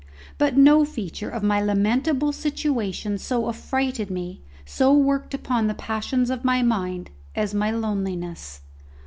But no feature of my lamentable situation so affrighted me, so worked upon the passions of my mind, as my loneliness.